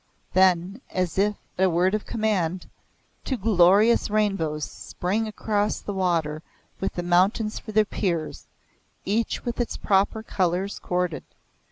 Then, as if at a word of command, two glorious rainbows sprang across the water with the mountains for their piers, each with its proper colours chorded.